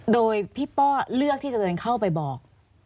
โดยพี่ป้อเลือกที่จะเดินเข้าไปบอก